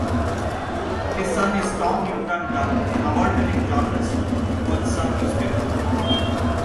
His son is Tom Newton Dunn, an award-winning journalist for "The Sun" newspaper.